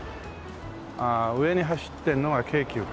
上に走ってるのが京急か。